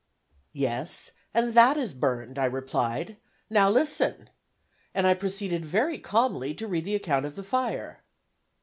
"Yes, and that is burned," I replied; "now listen," and I proceeded very calmly to read the account of the fire.